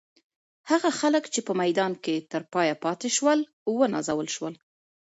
هغه خلک چې په میدان کې تر پایه پاتې شول، ونازول شول.